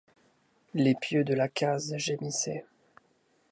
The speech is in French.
Les pieux de la case gémissaient.